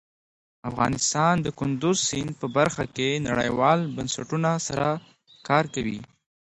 افغانستان د کندز سیند په برخه کې نړیوالو بنسټونو سره کار کوي.